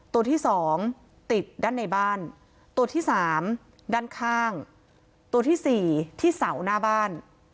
ตัวที่สองติดด้านในบ้านตัวที่สามด้านข้างตัวที่สี่ที่เสาหน้าบ้าน